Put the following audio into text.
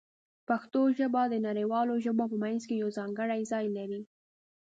پښتو ژبه د نړیوالو ژبو په منځ کې یو ځانګړی ځای لري.